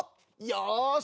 よし。